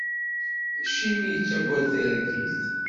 Acimi i yettagad targit?